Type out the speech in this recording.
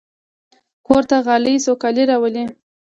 کور ته غالۍ سوکالي راولي.